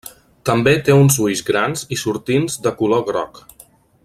També té uns ulls grans i sortints de color groc.